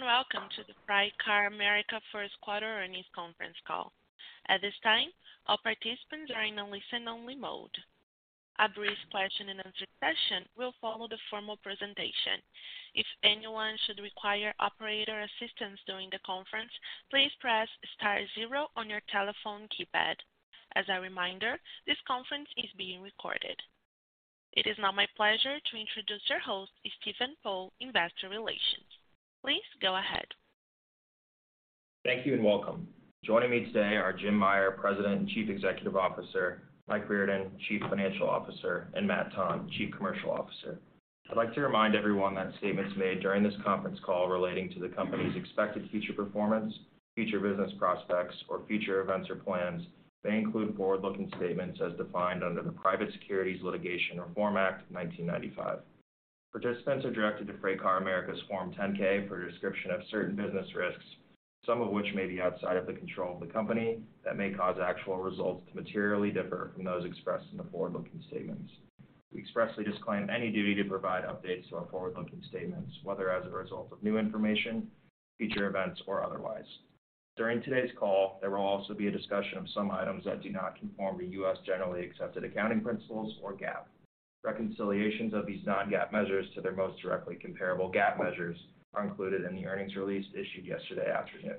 Greetings, and welcome to the FreightCar America first quarter Earnings Conference Call. At this time, all participants are in a listen-only mode. A brief question and answer session will follow the formal presentation. If anyone should require operator assistance during the conference, please press star zero on your telephone keypad. As a reminder, this conference is being recorded. It is now my pleasure to introduce your host, Stephen Poe, Investor Relations. Please go ahead. Thank you, and welcome. Joining me today are Jim Meyer, President and Chief Executive Officer; Mike Riordan, Chief Financial Officer; and Matt Tonn, Chief Commercial Officer. I'd like to remind everyone that statements made during this conference call relating to the company's expected future performance, future business prospects, or future events or plans, may include forward-looking statements as defined under the Private Securities Litigation Reform Act of 1995. Participants are directed to FreightCar America's Form 10-K for a description of certain business risks, some of which may be outside of the control of the company, that may cause actual results to materially differ from those expressed in the forward-looking statements. We expressly disclaim any duty to provide updates to our forward-looking statements, whether as a result of new information, future events, or otherwise. During today's call, there will also be a discussion of some items that do not conform to U.S. generally accepted accounting principles or GAAP. Reconciliations of these Non-GAAP measures to their most directly comparable GAAP measures are included in the earnings release issued yesterday afternoon.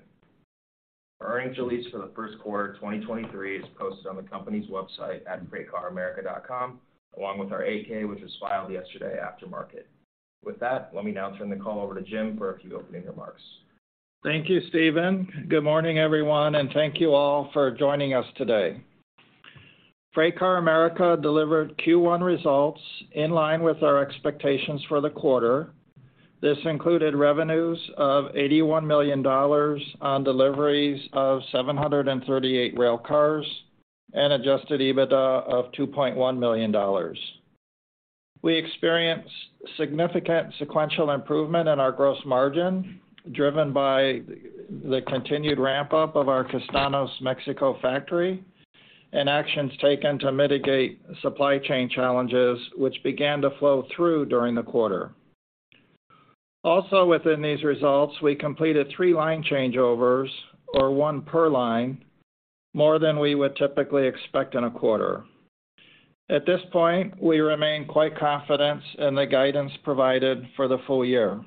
Our earnings release for the first quarter of 2023 is posted on the company's website at freightcaramerica.com, along with our 8-K, which was filed yesterday after market. With that, let me now turn the call over to Jim for a few opening remarks. Thank you, Stephen Poe. Good morning, everyone, and thank you all for joining us today. FreightCar America delivered Q1 results in line with our expectations for the quarter. This included revenues of $81 million on deliveries of 738 railcars and Adjusted EBITDA of $2.1 million. We experienced significant sequential improvement in our gross margin, driven by the continued ramp-up of our Castaños Mexico factory and actions taken to mitigate supply chain challenges which began to flow through during the quarter. Also within these results, we completed three line changeovers or one per line, more than we would typically expect in a quarter. At this point, we remain quite confident in the guidance provided for the full year.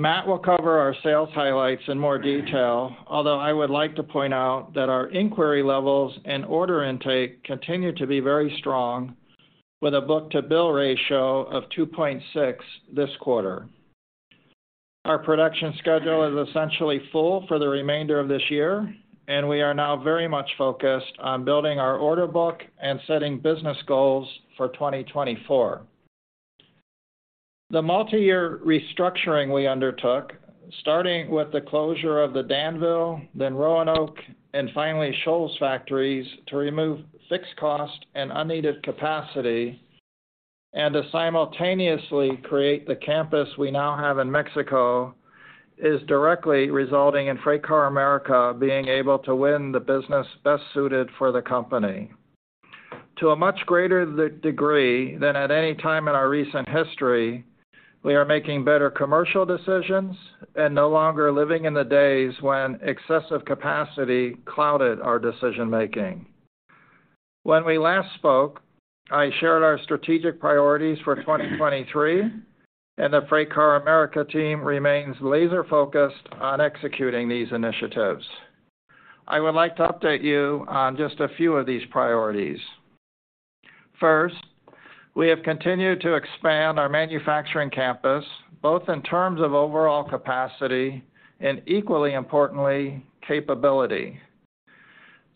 Matt will cover our sales highlights in more detail, although I would like to point out that our inquiry levels and order intake continue to be very strong with a book-to-bill ratio of 2.6 this quarter. Our production schedule is essentially full for the remainder of this year, and we are now very much focused on building our order book and setting business goals for 2024. The multi-year restructuring we undertook, starting with the closure of the Danville, then Roanoke, and finally Shoals factories to remove fixed cost and unneeded capacity and to simultaneously create the campus we now have in Mexico, is directly resulting in FreightCar America being able to win the business best suited for the company. To a much greater degree than at any time in our recent history, we are making better commercial decisions and no longer living in the days when excessive capacity clouded our decision-making. When we last spoke, I shared our strategic priorities for 2023, and the FreightCar America team remains laser-focused on executing these initiatives. I would like to update you on just a few of these priorities. First, we have continued to expand our manufacturing campus, both in terms of overall capacity and, equally importantly, capability.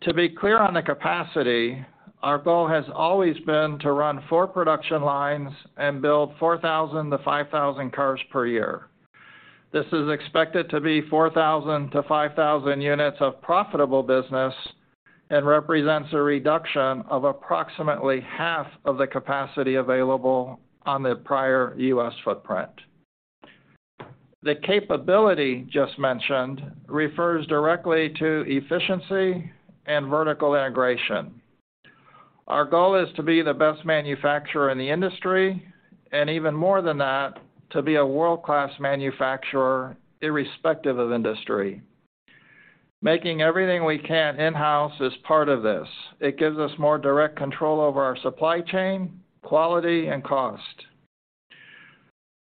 To be clear on the capacity, our goal has always been to run four production lines and build 4,000-5,000 cars per year. This is expected to be 4,000-5,000 units of profitable business and represents a reduction of approximately half of the capacity available on the prior U.S. footprint. The capability just mentioned refers directly to efficiency and vertical integration. Our goal is to be the best manufacturer in the industry and even more than that, to be a world-class manufacturer irrespective of industry. Making everything we can in-house is part of this. It gives us more direct control over our supply chain, quality, and cost.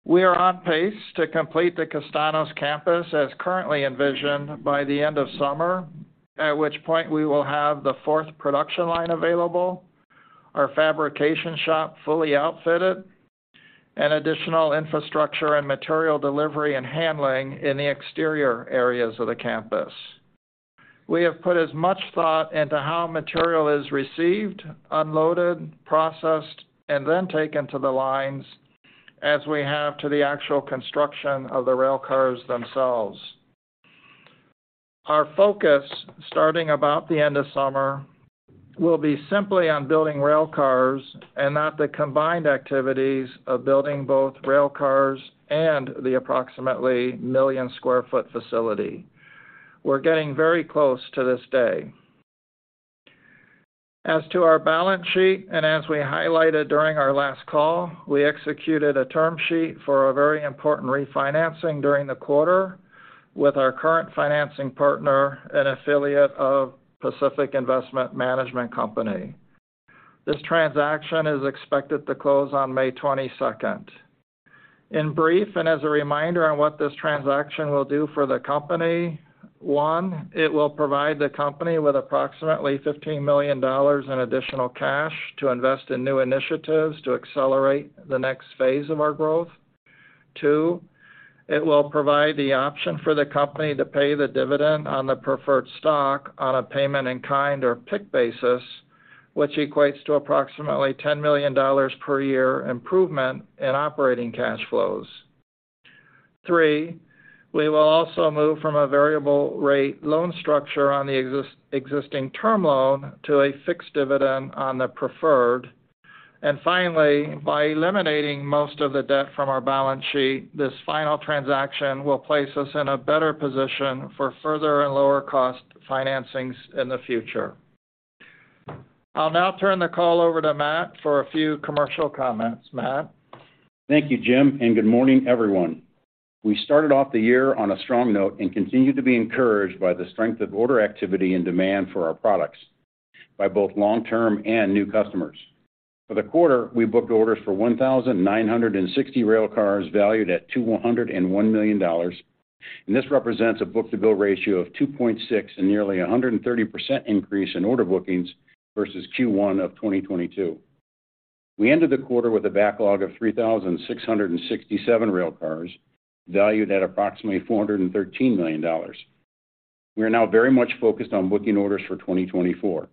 We are on pace to complete the Castaños campus as currently envisioned by the end of summer, at which point we will have the fourth production line available, our fabrication shop fully outfitted, and additional infrastructure and material delivery and handling in the exterior areas of the campus. We have put as much thought into how material is received, unloaded, processed, and then taken to the lines as we have to the actual construction of the rail cars themselves. Our focus, starting about the end of summer, will be simply on building rail cars and not the combined activities of building both rail cars and the approximately million square foot facility. We're getting very close to this day. As we highlighted during our last call, we executed a term sheet for a very important refinancing during the quarter with our current financing partner and affiliate of Pacific Investment Management Company. This transaction is expected to close on May 22nd. In brief, as a reminder on what this transaction will do for the company, one. it will provide the company with approximately $15 million in additional cash to invest in new initiatives to accelerate the next phase of our growth. Two, it will provide the option for the company to pay the dividend on the preferred stock on a payment in kind or PIK basis, which equates to approximately $10 million per year improvement in operating cash flows. Three, we will also move from a variable rate loan structure on the existing term loan to a fixed dividend on the preferred. Finally, by eliminating most of the debt from our balance sheet, this final transaction will place us in a better position for further and lower cost financings in the future. I'll now turn the call over to Matt for a few commercial comments. Matt? Thank you, Jim, and good morning, everyone. We started off the year on a strong note and continue to be encouraged by the strength of order activity and demand for our products by both long-term and new customers. For the quarter, we booked orders for 1,960 railcars valued at $201 million. This represents a book-to-bill ratio of 2.6 and nearly a 130% increase in order bookings versus Q1 of 2022. We ended the quarter with a backlog of 3,667 railcars valued at approximately $413 million. We are now very much focused on booking orders for 2024.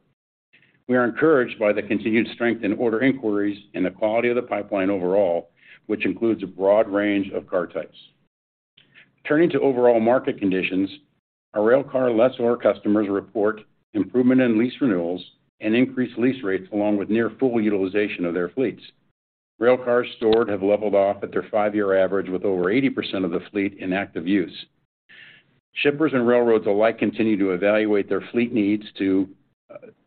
We are encouraged by the continued strength in order inquiries and the quality of the pipeline overall, which includes a broad range of car types. Turning to overall market conditions, our railcar lessor customers report improvement in lease renewals and increased lease rates along with near full utilization of their fleets. Railcars stored have leveled off at their five-year average with over 80% of the fleet in active use. Shippers and railroads alike continue to evaluate their fleet needs due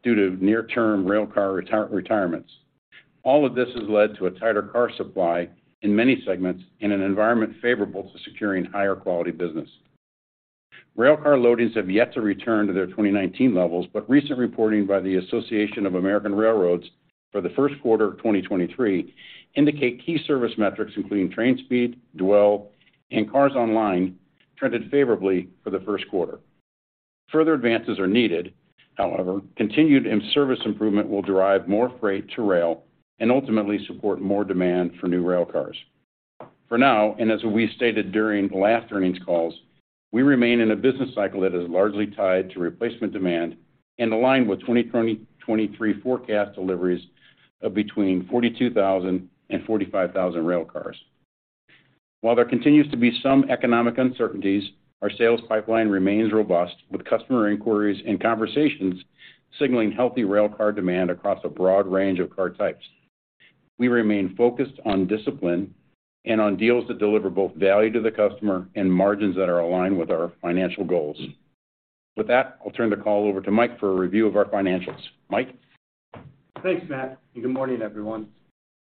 to near-term railcar retirements. All of this has led to a tighter car supply in many segments in an environment favorable to securing higher quality business. Railcar loadings have yet to return to their 2019 levels, but recent reporting by the Association of American Railroads for the first quarter of 2023 indicate key service metrics, including train speed, dwell, and cars online trended favorably for the first quarter. Further advances are needed. Continued and service improvement will derive more freight to rail and ultimately support more demand for new railcars. For now, and as we stated during the last earnings calls, we remain in a business cycle that is largely tied to replacement demand and aligned with 2023 forecast deliveries of between 42,000 and 45,000 railcars. While there continues to be some economic uncertainties, our sales pipeline remains robust, with customer inquiries and conversations signaling healthy railcar demand across a broad range of car types. We remain focused on discipline and on deals that deliver both value to the customer and margins that are aligned with our financial goals. With that, I'll turn the call over to Mike for a review of our financials. Mike? Thanks, Matt, good morning, everyone.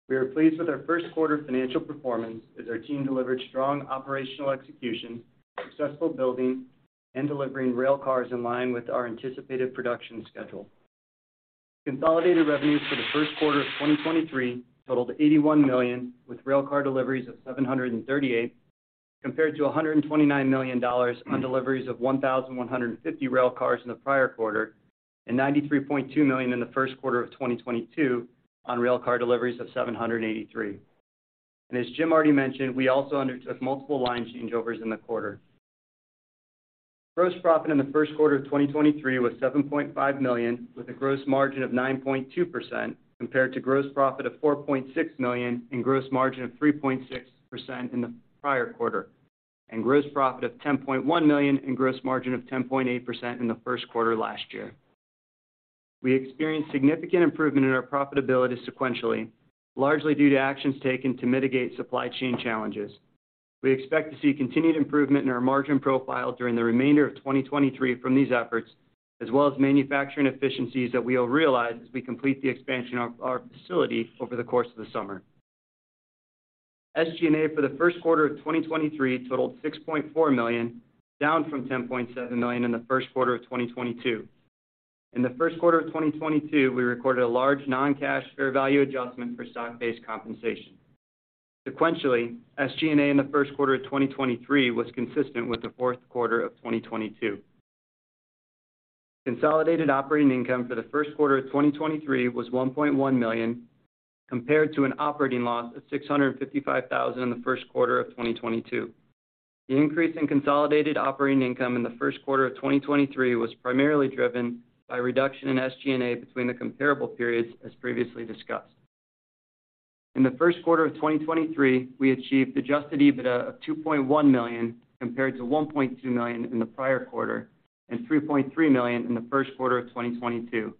We are pleased with our first quarter financial performance as our team delivered strong operational execution, successful building and delivering railcars in line with our anticipated production schedule. Consolidated revenues for the first quarter of 2023 totaled $81 million, with railcar deliveries of 738, compared to $129 million on deliveries of 1,150 railcars in the prior quarter, and $93.2 million in the first quarter of 2022 on railcar deliveries of 783. As Jim already mentioned, we also undertook multiple line changeovers in the quarter. Gross profit in the first quarter of 2023 was $7.5 million, with a gross margin of 9.2%, compared to gross profit of $4.6 million and gross margin of 3.6% in the prior quarter, and gross profit of $10.1 million and gross margin of 10.8% in the first quarter last year. We experienced significant improvement in our profitability sequentially, largely due to actions taken to mitigate supply chain challenges. We expect to see continued improvement in our margin profile during the remainder of 2023 from these efforts, as well as manufacturing efficiencies that we will realize as we complete the expansion of our facility over the course of the summer. SG&A for the first quarter of 2023 totaled $6.4 million, down from $10.7 million in the first quarter of 2022. In the first quarter of 2022, we recorded a large non-cash fair value adjustment for stock-based compensation. Sequentially, SG&A in the first quarter of 2023 was consistent with the fourth quarter of 2022. Consolidated operating income for the first quarter of 2023 was $1.1 million, compared to an operating loss of $655,000 in the first quarter of 2022. The increase in consolidated operating income in the first quarter of 2023 was primarily driven by reduction in SG&A between the comparable periods, as previously discussed. In the first quarter of 2023, we achieved adjusted EBITDA of $2.1 million, compared to $1.2 million in the prior quarter and $3.3 million in the first quarter of 2022.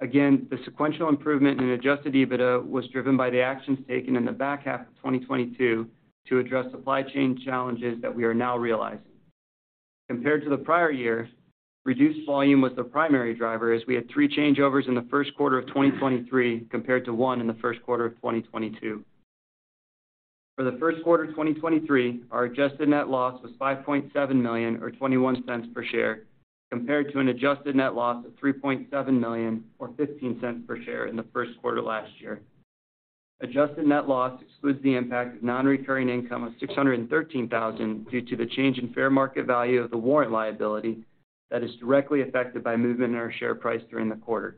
The sequential improvement in adjusted EBITDA was driven by the actions taken in the back half of 2022 to address supply chain challenges that we are now realizing. Compared to the prior year, reduced volume was the primary driver as we had 3 changeovers in the first quarter of 2023 compared to one in the first quarter of 2022. For the first quarter of 2023, our adjusted net loss was $5.7 million or $0.21 per share, compared to an adjusted net loss of $3.7 million or $0.15 per share in the first quarter last year. Adjusted net loss excludes the impact of non-recurring income of $613,000 due to the change in fair market value of the warrant liability that is directly affected by movement in our share price during the quarter.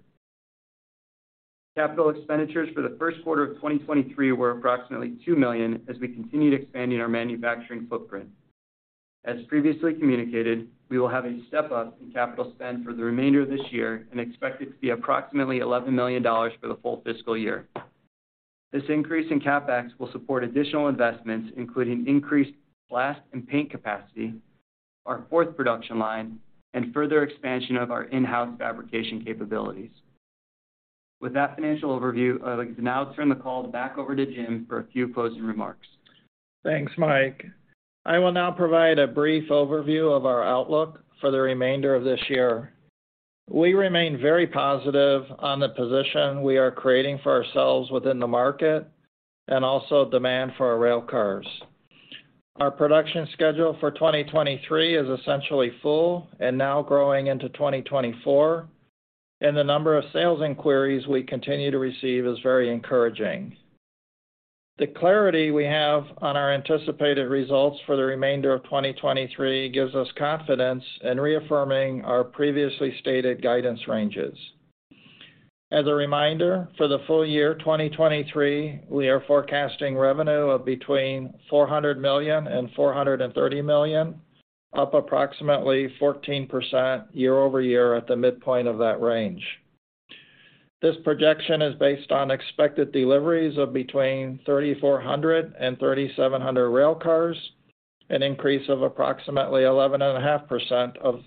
CapEx for Q1 2023 were approximately $2 million as we continued expanding our manufacturing footprint. As previously communicated, we will have a step up in capital spend for the remainder of this year and expect it to be approximately $11 million for the full fiscal year. This increase in CapEx will support additional investments, including increased blast and paint capacity, our fourth production line, and further expansion of our in-house fabrication capabilities. With that financial overview, I would now turn the call back over to Jim for a few closing remarks. Thanks, Mike. I will now provide a brief overview of our outlook for the remainder of this year. We remain very positive on the position we are creating for ourselves within the market and also demand for our railcars. Our production schedule for 2023 is essentially full and now growing into 2024, and the number of sales inquiries we continue to receive is very encouraging. The clarity we have on our anticipated results for the remainder of 2023 gives us confidence in reaffirming our previously stated guidance ranges. As a reminder, for the full year 2023, we are forecasting revenue of between $400 million and $430 million, up approximately 14% year-over-year at the midpoint of that range. This projection is based on expected deliveries of between 3,400 and 3,700 railcars, an increase of approximately 11.5%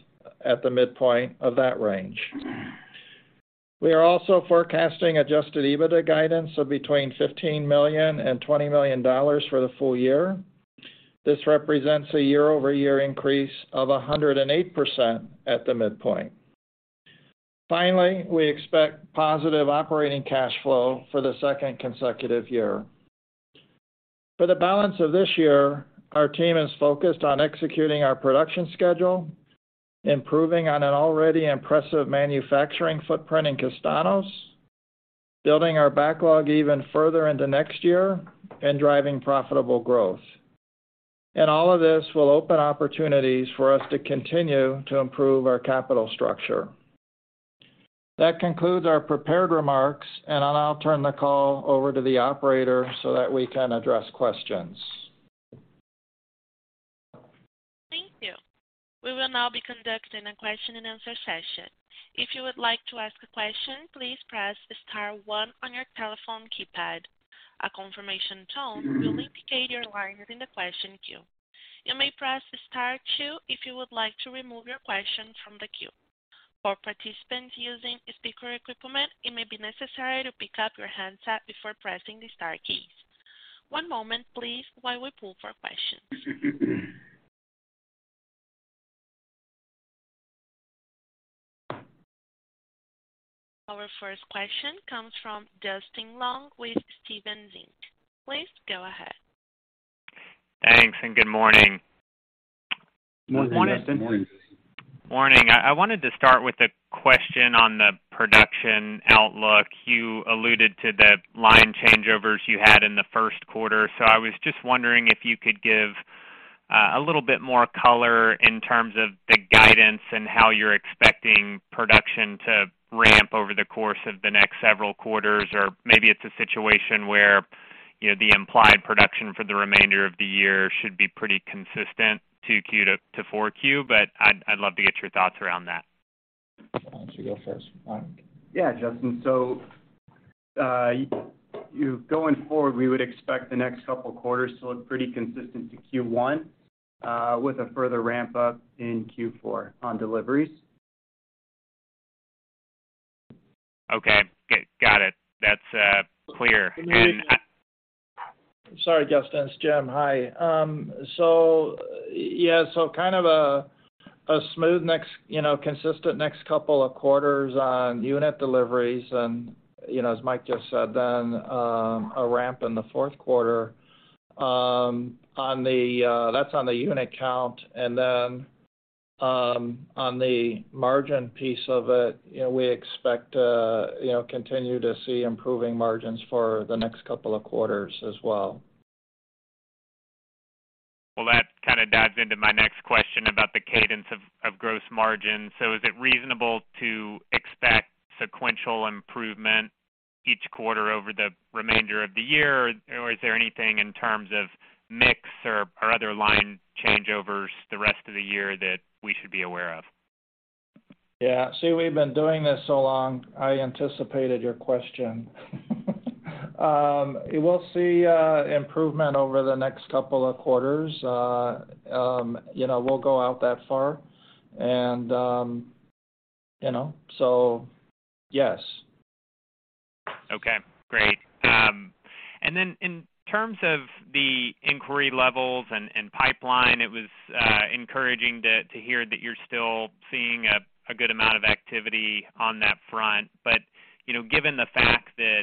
at the midpoint of that range. We are also forecasting adjusted EBITDA guidance of between $15 million and $20 million for the full year. This represents a year-over-year increase of 108% at the midpoint. Finally, we expect positive operating cash flow for the second consecutive year. For the balance of this year, our team is focused on executing our production schedule, improving on an already impressive manufacturing footprint in Castaños, building our backlog even further into next year, and driving profitable growth. All of this will open opportunities for us to continue to improve our capital structure. That concludes our prepared remarks, and I'll now turn the call over to the operator so that we can address questions. Thank you. We will now be conducting a question and answer session. If you would like to ask a question, please press star one on your telephone keypad. A confirmation tone will indicate your line is in the question queue. You may press star two if you would like to remove your question from the queue. For participants using speaker equipment, it may be necessary to pick up your handset before pressing the star keys. One moment, please, while we pull for questions. Our first question comes from Justin Long with Stephens Inc. Please go ahead. Thanks, good morning. Morning, Justin. Morning. Morning. I wanted to start with a question on the production outlook. You alluded to the line changeovers you had in the first quarter. I was just wondering if you could give a little bit more color in terms of the guidance and how you're expecting production to ramp over the course of the next several quarters. Maybe it's a situation where, you know, the implied production for the remainder of the year should be pretty consistent to Q4. I'd love to get your thoughts around that. Why don't you go first, Mike? Yeah, Justin. Going forward, we would expect the next couple quarters to look pretty consistent to Q1, with a further ramp up in Q4 on deliveries. Okay. Got it. That's clear. Sorry, Justin. It's Jim. Hi. Kind of a smooth next, you know, consistent next couple of quarters on unit deliveries and, you know, as Mike just said, then, a ramp in the fourth quarter. On the, that's on the unit count. Then, on the margin piece of it, you know, we expect to, you know, continue to see improving margins for the next couple of quarters as well. Well, that kind of dives into my next question about the cadence of gross margin. Is it reasonable to expect sequential improvement each quarter over the remainder of the year? Is there anything in terms of mix or other line changeovers the rest of the year that we should be aware of? Yeah. See, we've been doing this so long, I anticipated your question. We'll see improvement over the next couple of quarters. You know, we'll go out that far and, you know, yes. Okay. In terms of the inquiry levels and pipeline, it was encouraging to hear that you're still seeing a good amount of activity on that front. You know, given the fact that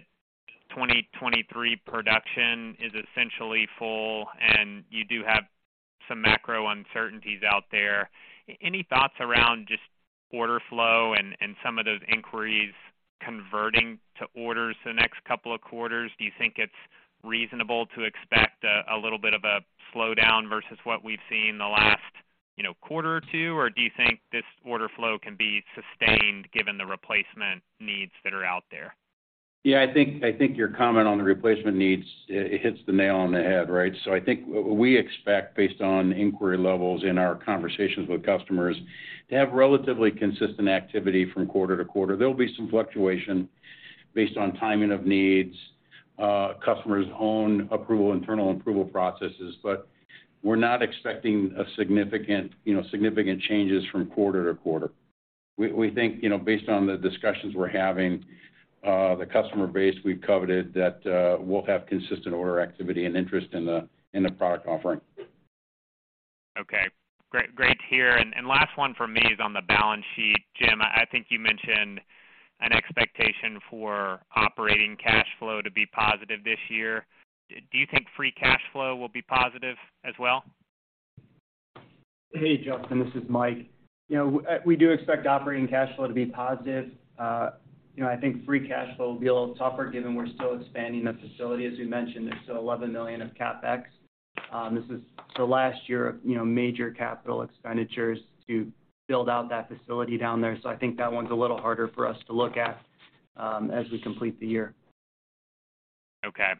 2023 production is essentially full and you do have some macro uncertainties out there, any thoughts around just order flow and some of those inquiries converting to orders the next couple of quarters? Do you think it's reasonable to expect a little bit of a slowdown versus what we've seen the last, you know, quarter or two? Do you think this order flow can be sustained given the replacement needs that are out there? I think your comment on the replacement needs, it hits the nail on the head, right? I think what we expect based on inquiry levels in our conversations with customers to have relatively consistent activity from quarter to quarter. There'll be some fluctuation based on timing of needs, customers' own approval, internal approval processes, but we're not expecting a significant, you know, significant changes from quarter to quarter. We think, you know, based on the discussions we're having, the customer base we've coveted that, we'll have consistent order activity and interest in the, in the product offering. Okay. Great to hear. Last one for me is on the balance sheet. Jim, I think you mentioned an expectation for operating cash flow to be positive this year. Do you think free cash flow will be positive as well? Hey, Justin, this is Mike. You know, we do expect operating cash flow to be positive. You know, I think free cash flow will be a little tougher given we're still expanding the facility. As we mentioned, there's still $11 million of CapEx. This is the last year of, you know, major capital expenditures to build out that facility down there. I think that one's a little harder for us to look at, as we complete the year. Okay.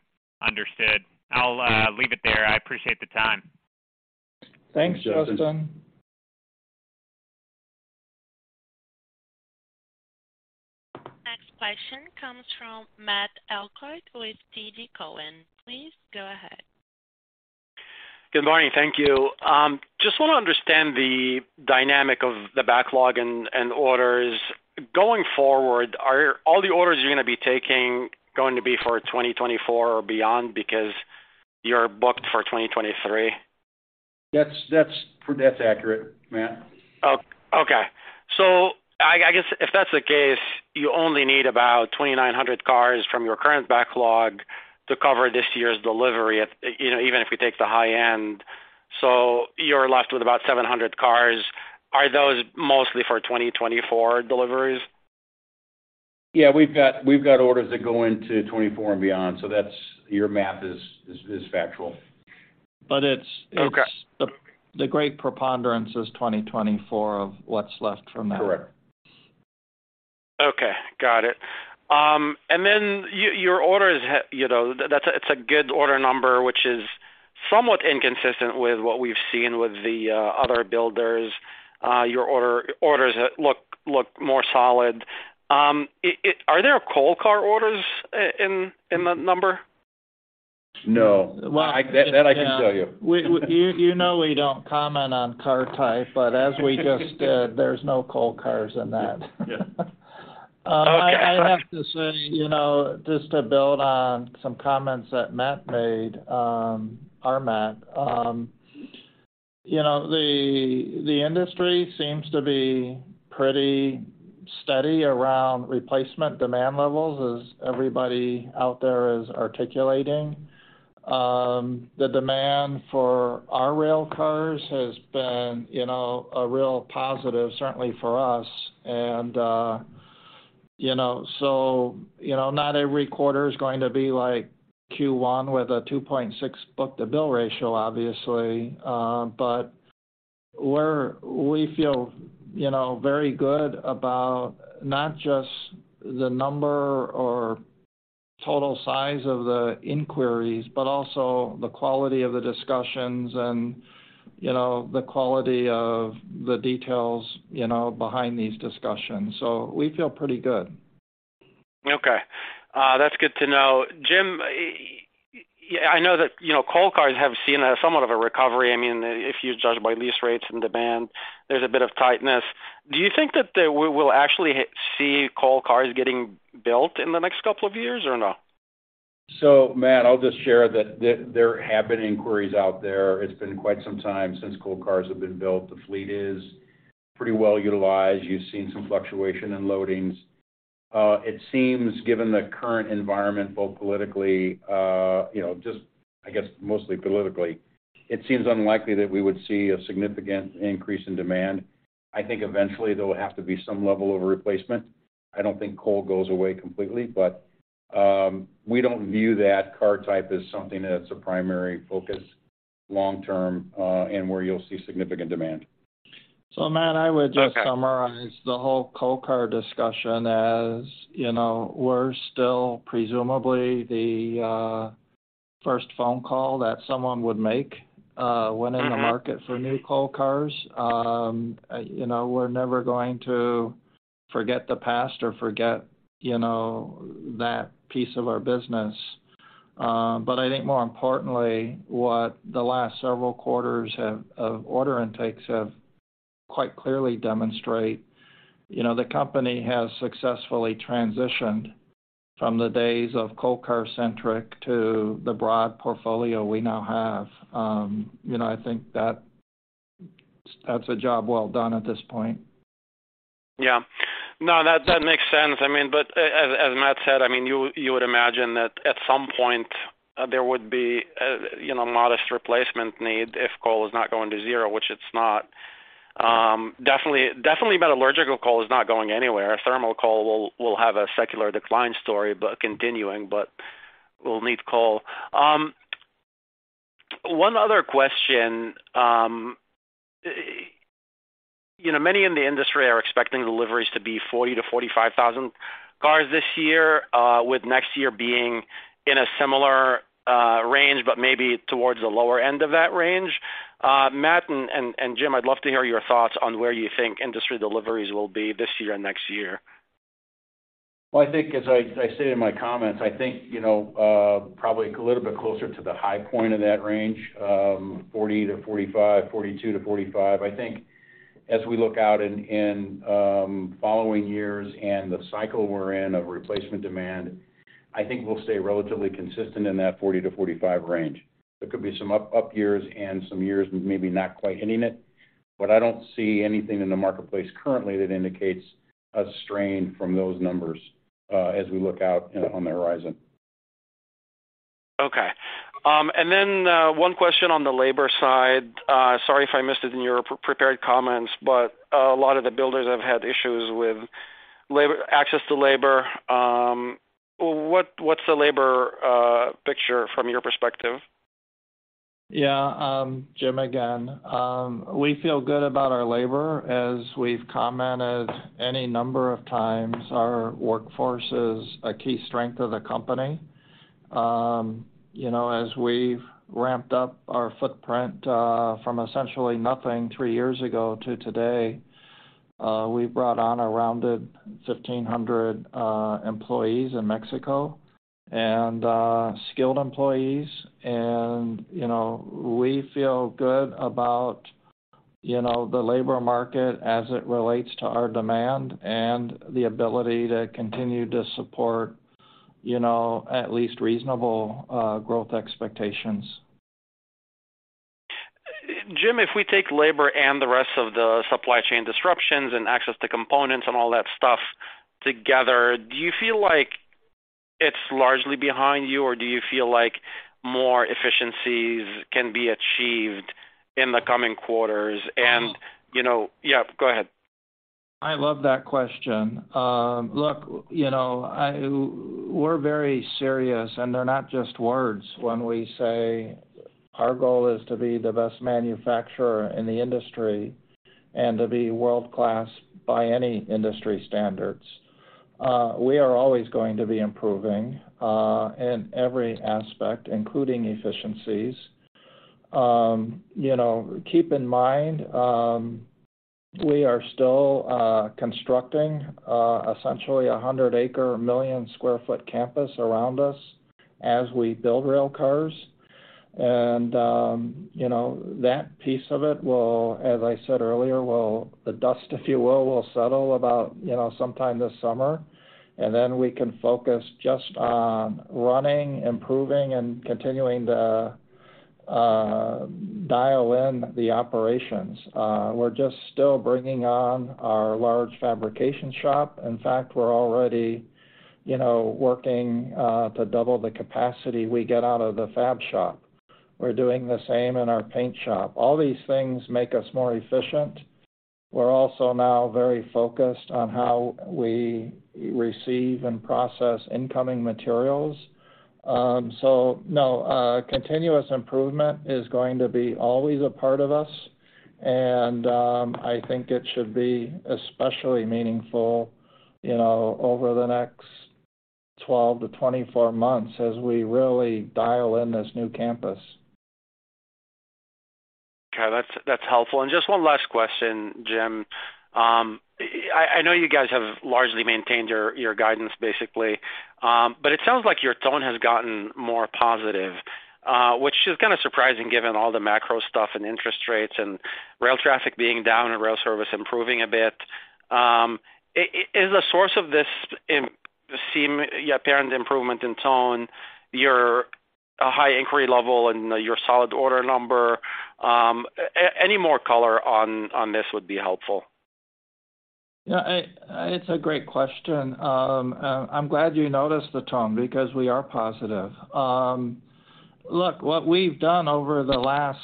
Understood. I'll leave it there. I appreciate the time. Thanks, Justin. Thanks, Justin. Next question comes from Matt Elkott with TD Cowen. Please go ahead. Good morning. Thank you. Just wanna understand the dynamic of the backlog and orders. Going forward, are all the orders you're gonna be taking going to be for 2024 or beyond because you're booked for 2023? That's accurate, Matt. Okay. I guess if that's the case, you only need about 2,900 cars from your current backlog to cover this year's delivery at, you know, even if you take the high end. You're left with about 700 cars. Are those mostly for 2024 deliveries? Yeah. We've got orders that go into 2024 and beyond. Your math is factual. Okay. it's the great preponderance is 2024 of what's left from that. Correct. Okay. Got it. Your orders you know, that's a, it's a good order number, which is somewhat inconsistent with what we've seen with the other builders. Your orders look more solid. Are there coal car orders in the number? No. Well. That I can tell you. You know we don't comment on car type, but as we just did, there's no coal cars in that. Yeah. Okay. I have to say, you know, just to build on some comments that Matt made, our Matt, you know, the industry seems to be pretty steady around replacement demand levels as everybody out there is articulating. The demand for our rail cars has been, you know, a real positive certainly for us. You know, not every quarter is going to be like Q1 with a 2.6 book-to-bill ratio, obviously. But we feel, you know, very good about not just the number or total size of the inquiries, but also the quality of the discussions and, you know, the quality of the details, you know, behind these discussions. We feel pretty good. Okay. That's good to know. Jim, yeah, I know that, you know, coal cars have seen a somewhat of a recovery. I mean, if you judge by lease rates and demand, there's a bit of tightness. Do you think that we will actually see coal cars getting built in the next couple of years or no? Matt Elkott, I'll just share that there have been inquiries out there. It's been quite some time since coal cars have been built. The fleet is pretty well utilized. You've seen some fluctuation in loadings. It seems given the current environment, both politically, you know, just I guess mostly politically, it seems unlikely that we would see a significant increase in demand. I think eventually there will have to be some level of replacement. I don't think coal goes away completely, but we don't view that car type as something that's a primary focus long-term, and where you'll see significant demand. Matt, I would just summarize the whole coal car discussion as, you know, we're still presumably the first phone call that someone would make when in the market for new coal cars. You know, we're never going to forget the past or forget, you know, that piece of our business. I think more importantly, what the last several quarters have of order intakes quite clearly demonstrate, you know, the company has successfully transitioned from the days of coal car centric to the broad portfolio we now have. You know, I think that is a job well done at this point. No, that makes sense. I mean, but as Matt said, I mean, you would imagine that at some point there would be, you know, modest replacement need if coal is not going to zero, which it's not. Definitely metallurgical coal is not going anywhere. Thermal coal will have a secular decline story, but continuing, but we'll need coal. One other question. You know, many in the industry are expecting deliveries to be 40,000-45,000 cars this year, with next year being in a similar range, but maybe towards the lower end of that range. Matt and Jim, I'd love to hear your thoughts on where you think industry deliveries will be this year and next year. Well, I think as I stated in my comments, I think, you know, probably a little bit closer to the high point of that range, 40-45, 42-45. I think as we look out in following years and the cycle we're in of replacement demand, I think we'll stay relatively consistent in that 40-45 range. There could be some up years and some years maybe not quite hitting it, but I don't see anything in the marketplace currently that indicates a strain from those numbers, as we look out, you know, on the horizon. Okay. One question on the labor side. Sorry if I missed it in your pre-prepared comments, a lot of the builders have had issues with access to labor. What's the labor picture from your perspective? Yeah. Jim again. We feel good about our labor. As we've commented any number of times, our workforce is a key strength of the company. You know, as we've ramped up our footprint, from essentially nothing three years ago to today, we've brought on around a 1,500 employees in Mexico, and skilled employees. You know, we feel good about, you know, the labor market as it relates to our demand and the ability to continue to support, you know, at least reasonable growth expectations. Jim, if we take labor and the rest of the supply chain disruptions and access to components and all that stuff together, do you feel like it's largely behind you, or do you feel like more efficiencies can be achieved in the coming quarters? You know... Yeah, go ahead. I love that question. Look, you know, we're very serious, and they're not just words when we say our goal is to be the best manufacturer in the industry and to be world-class by any industry standards. We are always going to be improving in every aspect, including efficiencies. You know, keep in mind, we are still constructing essentially a 100-acre, a 1 million-sq ft campus around us as we build rail cars. You know, that piece of it will, as I said earlier, the dust, if you will settle about, you know, sometime this summer, and then we can focus just on running, improving, and continuing to dial in the operations. We're just still bringing on our large fabrication shop. In fact, we're already, you know, working to double the capacity we get out of the fab shop. We're doing the same in our paint shop. All these things make us more efficient. We're also now very focused on how we receive and process incoming materials. No, continuous improvement is going to be always a part of us. I think it should be especially meaningful, you know, over the next 12-24 months as we really dial in this new campus. Okay. That's helpful. Just one last question, Jim. I know you guys have largely maintained your guidance, basically. It sounds like your tone has gotten more positive, which is kind of surprising given all the macro stuff and interest rates and rail traffic being down and rail service improving a bit. Is the source of this apparent improvement in tone, your high inquiry level and your solid order number, any more color on this would be helpful. Yeah. It's a great question. I'm glad you noticed the tone because we are positive. Look, what we've done over the last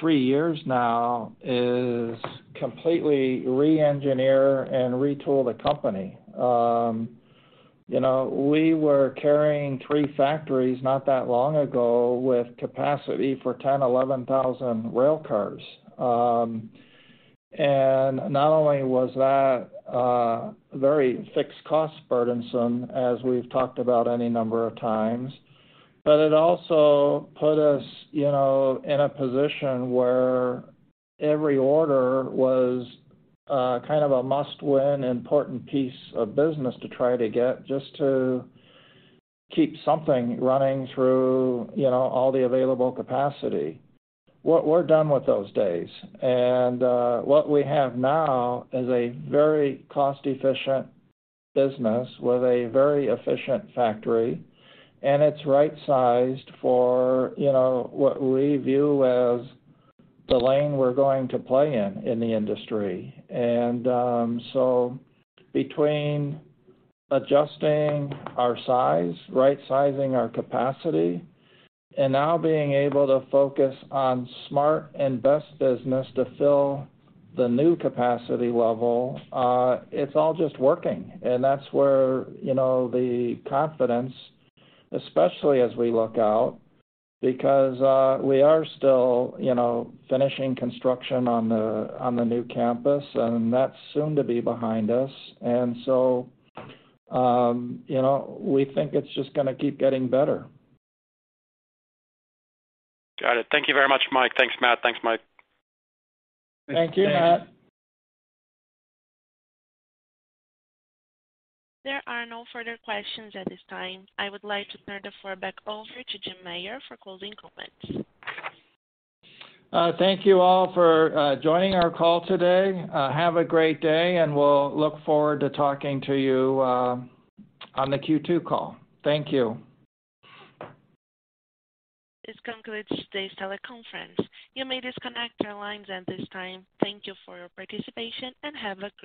three years now is completely re-engineer and retool the company. You know, we were carrying three factories not that long ago with capacity for 10,000-11,000 rail cars. Not only was that very fixed-cost burdensome, as we've talked about any number of times, but it also put us, you know, in a position where every order was kind of a must-win important piece of business to try to get just to keep something running through, you know, all the available capacity. We're done with those days. What we have now is a very cost-efficient business with a very efficient factory, and it's right-sized for, you know, what we view as the lane we're going to play in in the industry. Between adjusting our size, right-sizing our capacity, and now being able to focus on smart and best business to fill the new capacity level, it's all just working. That's where, you know, the confidence, especially as we look out because we are still, you know, finishing construction on the, on the new campus, and that's soon to be behind us. You know, we think it's just gonna keep getting better. Got it. Thank you very much, Mike. Thanks, Matt. Thanks, Mike. Thank you, Matt. There are no further questions at this time. I would like to turn the floor back over to Jim Meyer for closing comments. Thank you all for joining our call today. Have a great day, we'll look forward to talking to you on the Q2 call. Thank you. This concludes today's teleconference. You may disconnect your lines at this time. Thank you for your participation, and have a great day.